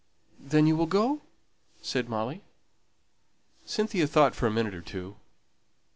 "Then you will go?" said Molly. Cynthia thought for a minute or two.